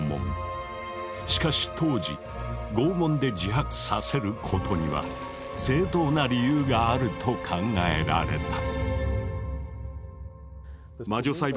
しかし当時拷問で自白させることには正当な理由があると考えられた。